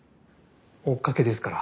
追っかけですから。